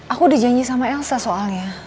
aku udah janji sama elsa soalnya